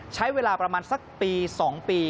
ใช้เวลาประมาณสักปี๒ปี